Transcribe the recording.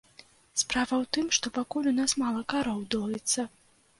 Справа ў тым, што пакуль у нас мала кароў доіцца.